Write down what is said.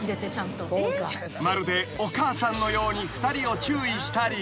［まるでお母さんのように２人を注意したり］